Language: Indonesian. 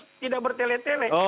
kalau tidak bertele tele